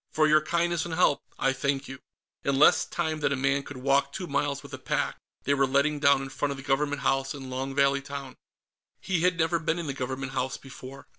"For your kindness and help, I thank you." In less time than a man could walk two miles with a pack, they were letting down in front of the Government House in Long Valley Town. He had never been in the Government House before.